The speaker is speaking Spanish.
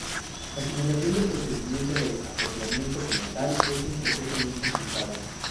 La simulación del procedimiento de acoplamiento como tal, es un proceso muy complicado.